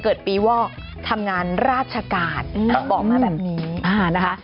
เกิดปีว่าทำงานราชกาลอืมบอกมาแบบนี้อ่านะคะ